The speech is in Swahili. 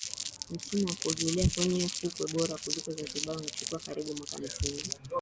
Msimu wa kuogelea kwenye fukwe bora huko Zanzibar huchukua karibu mwaka mzima